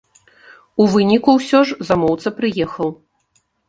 У выніку ўсё ж замоўца прыехаў.